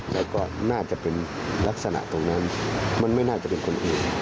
แล้วก็น่าจะเป็นลักษณะตรงนั้นมันไม่น่าจะเป็นคนอื่น